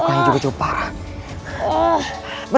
aku akan mencari kebaikanmu